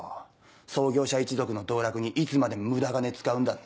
創業者一族の道楽にいつまで無駄金使うんだって。